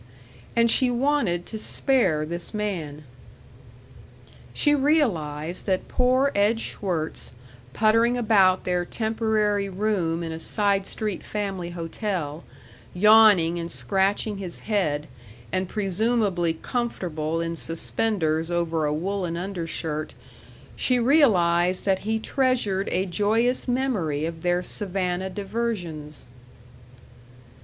And she wanted to spare this man. She realized that poor Ed Schwirtz, puttering about their temporary room in a side street family hotel, yawning and scratching his head, and presumably comfortable in suspenders over a woolen undershirt she realized that he treasured a joyous memory of their Savannah diversions.